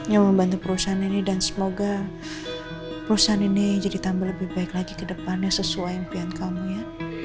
ya membantu perusahaan ini dan semoga perusahaan ini jadi tambah lebih baik lagi ke depannya sesuai impian kamu ya